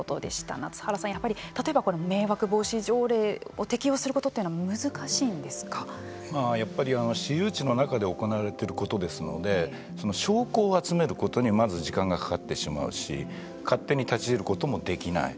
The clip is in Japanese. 夏原さん、やっぱり例えば迷惑防止条例を適用することはやっぱり私有地の中で行われていることですので証拠を集めることにまず時間がかかってしまうし勝手に立ち入ることもできない。